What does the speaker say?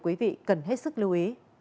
quý vị cần hết sức lưu ý